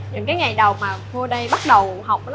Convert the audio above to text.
những cái ngày đầu mà vô đây bắt đầu học đó